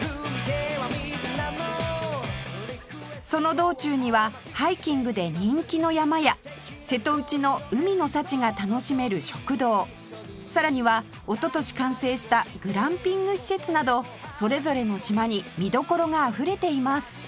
その道中にはハイキングで人気の山や瀬戸内の海の幸が楽しめる食堂さらにはおととし完成したグランピング施設などそれぞれの島に見どころがあふれています